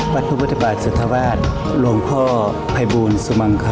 วัฒนพุทธบาทสุดท้าวาส